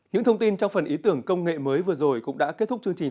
những thông tin trong phần ý tưởng công nghệ mới vừa rồi cũng đã kết thúc chương trình